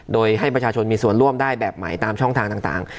โดยให้ประชาชนมีส่วนร่วมได้แบบใหม่ตามช่องทางต่าง